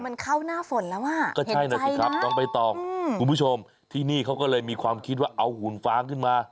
มันเข้าหน้าฝนแล้วว่ะเห็นใจนะคุณผู้ชมที่นี่เขาก็เลยมีความคิดว่าเอาหุ่นฟ้างขึ้นมา